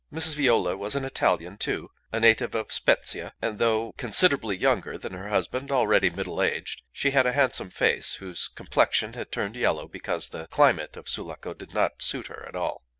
Mrs. Viola was an Italian, too, a native of Spezzia, and though considerably younger than her husband, already middle aged. She had a handsome face, whose complexion had turned yellow because the climate of Sulaco did not suit her at all.